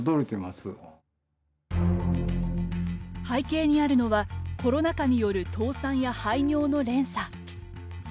背景にあるのはコロナ禍による倒産や廃業の連鎖。